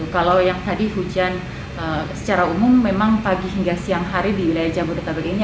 kalau yang tadi hujan secara umum memang pagi hingga siang hari di wilayah jabodetabek ini